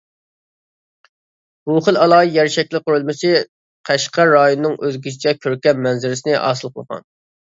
بۇ خىل ئالاھىدە يەر شەكلى قۇرۇلمىسى قەشقەر رايونىنىڭ ئۆزگىچە كۆركەم مەنزىرىسىنى ھاسىل قىلغان.